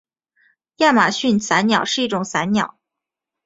亚马逊伞鸟是一种伞鸟。